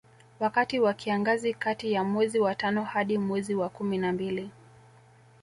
Wakati wa kiangazi kati ya mwezi wa tano hadi mwezi wa kumi na mbili